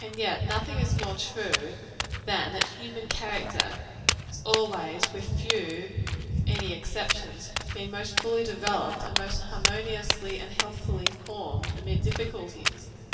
And yet nothing is more true, than that human character has always, with few if any exceptions, been most fully developed and most harmoniously and healthfully formed, amid difficulties.